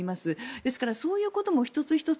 ですからそういうことも１つ１つ